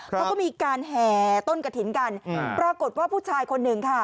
เขาก็มีการแห่ต้นกระถิ่นกันปรากฏว่าผู้ชายคนหนึ่งค่ะ